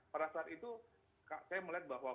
pada saat itu saya melihat bahwa